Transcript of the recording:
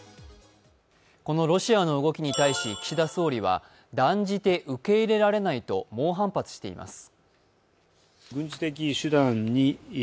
このロシアの動きに対し岸田総理は断じて受け入れられないと猛反発しています。